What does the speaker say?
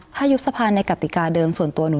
ถ้ายุบสภาในกติกาเดิมส่วนตัวหนู